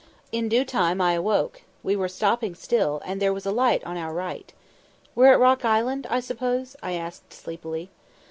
In due time I awoke; we were stopping still, and there was a light on our right. "We're at Rock Island, I suppose?" I asked sleepily.